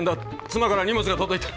妻から荷物が届いた！